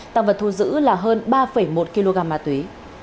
tăng vật thu giữ là hơn ba một kg ma túy